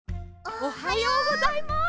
おはようございます。